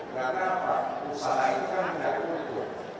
karena apa usaha itu kan menjadi utuh